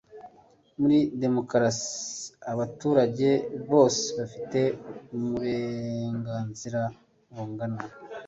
Muri demokarasi, abaturage bose bafite uburenganzira bungana.